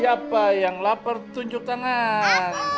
siapa yang lapar tunjuk tangan